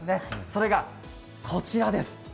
それがこちらです。